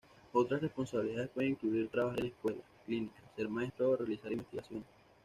Otras responsabilidades pueden incluir trabajar en la escuelas, clínicas, ser maestro o realizar investigaciones.